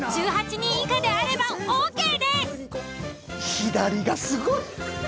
左がすごい！